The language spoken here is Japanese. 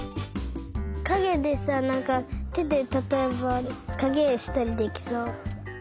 かげでさなんかてでたとえばかげえしたりできそう。